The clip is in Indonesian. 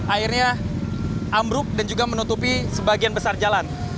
airnya ambruk dan juga menutupi sebagian besar jalan